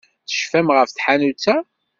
Tecfam ɣef tḥanut-a?